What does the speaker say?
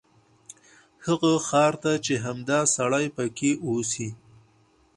هغه ښار ته چې همدا سړی پکې اوسي.